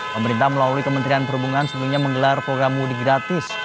pemerintah melalui kementerian perhubungan sebelumnya menggelar program mudik gratis